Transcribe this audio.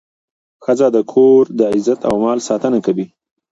ښځه د کور د عزت او مال ساتنه کوي.